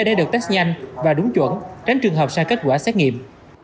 để được test nhanh và đúng chuẩn tránh trường hợp sai kết quả xét nghiệm